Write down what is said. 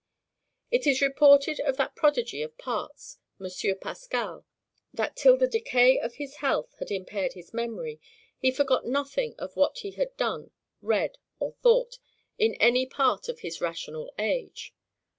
It is reported of that prodigy of parts, Monsieur Pascal, that till the decay of his health had impaired his memory, he forgot nothing of what he had done, read, or thought, in any part of his rational age.